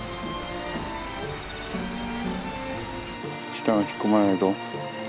舌が引っ込まないぞ。